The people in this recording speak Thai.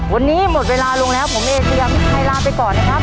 วันนี้หมดเวลาลงแล้วผมเอเชยามิชัยลาไปก่อนนะครับ